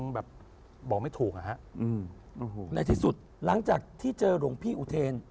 แบบบอกไม่ถูกอ่ะฮะอืมในที่สุดหลังจากที่เจอหลวงพี่อุเทน